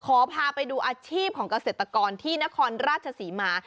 ขอพาไปดูอาชีพของเกษตรกรที่นครราชศรีมา